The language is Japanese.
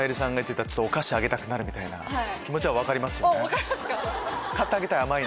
分かりますか！